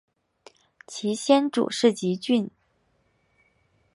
其先祖是汲郡。